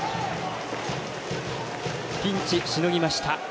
ピンチしのぎました。